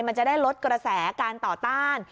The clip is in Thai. มันจะได้ลดกระแสการต่อต้าน